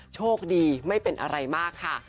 โชคดีไม่เป็นอะไรมากค่ะ